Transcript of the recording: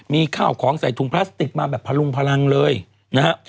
มีข้าวของใส่ถุงพลาสติกมาแบบพลุงพลังเลยนะฮะ